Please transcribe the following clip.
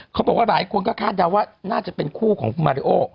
เขาบอกว่าหลายคนก็คาดเดาว่าน่าจะเป็นคู่ของคุณมาริโอ